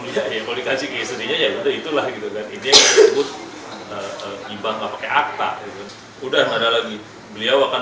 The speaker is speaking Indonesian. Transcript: ya ya boleh kasih ke istrinya ya betul itulah gitu kan ini ibaratnya akta udah mana lagi beliau akan